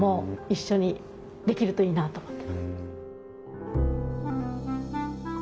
一緒にできるといいなと思ってます。